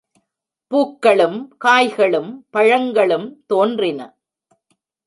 பூக்களும், காய்களும், பழங்களும் தோன்றின.